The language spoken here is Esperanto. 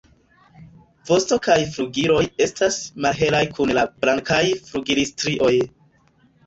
Vosto kaj flugiloj estas malhelaj kun du blankaj flugilstrioj.